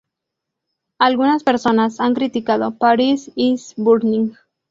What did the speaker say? Algunas personas han criticado "Paris Is Burning".